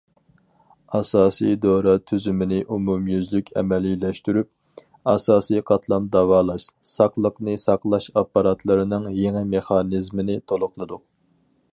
ئاساسىي دورا تۈزۈمىنى ئومۇميۈزلۈك ئەمەلىيلەشتۈرۈپ، ئاساسىي قاتلام داۋالاش، ساقلىقنى ساقلاش ئاپپاراتلىرىنىڭ يېڭى مېخانىزمىنى تولۇقلىدۇق.